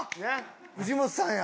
藤本さんや。